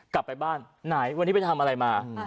กลับไปบ้านไหนวันนี้ไปทำอะไรมา